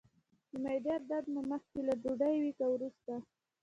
د معدې درد مو مخکې له ډوډۍ وي که وروسته؟